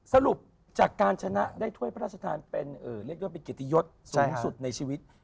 สรุปจากการชนะได้ถ้วยพระราชทานเป็นเรียกว่าเป็นเกียรติยศสูงสุดในชีวิต